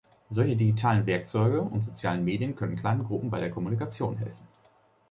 Solche digitalen Werkzeuge und sozialen Medien können kleinen Gruppen bei der Kommunikation helfen.